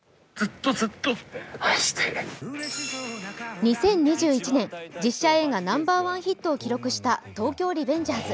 ２０２１年実写映画ナンバーワンを記録した「東京リベンジャーズ」。